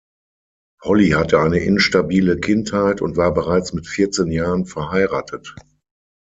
Holly hatte eine instabile Kindheit und war bereits mit vierzehn Jahren verheiratet.